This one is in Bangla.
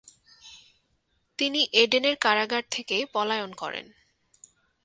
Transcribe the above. তিনি এডেনের কারাগার থেকে পলায়ন করেন।